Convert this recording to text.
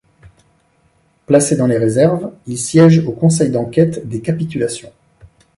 Placé dans les réserves, il siège au conseil d’enquête des capitulations.